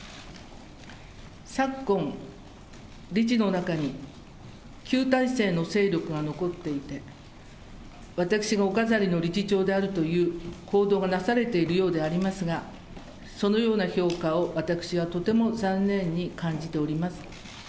昨今、理事の中に旧体制の勢力が残っていて、私がお飾りの理事長であるという報道がなされているようでありますが、そのような評価を私はとても残念に感じております。